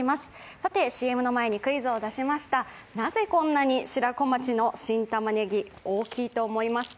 さて、ＣＭの前にクイズを出しましたなぜ、こんなに白子町の新玉ねぎ、大きいと思いますか。